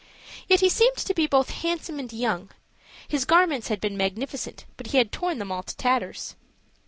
Yet he seemed to be both handsome and young: his garments had been magnificent, but he had torn them all to tatters.